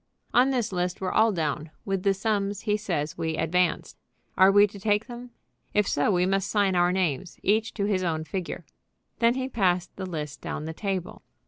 "On this list we're all down, with the sums he says we advanced. Are we to take them? If so we must sign our names, each to his own figure." Then he passed the list down the table.